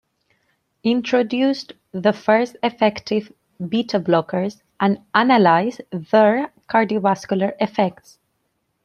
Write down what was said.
Introduced the first effective beta blockers and analysed their cardiovascular effects.